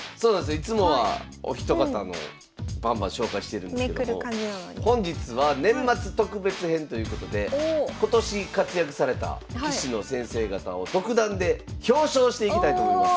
いつもはお一方のをバンバン紹介してるんですけども本日は年末特別編ということで今年活躍された棋士の先生方を独断で表彰していきたいと思います。